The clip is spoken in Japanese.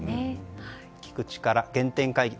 聞く力、原点回帰